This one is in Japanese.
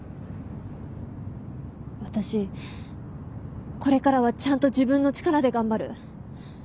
私これからはちゃんと自分の力で頑張る。